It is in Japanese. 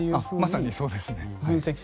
まさにそうです。